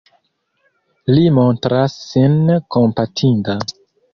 Li montras sin kompatinda.